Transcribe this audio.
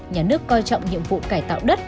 nhà nước coi trọng nhiệm vụ cải tạo đất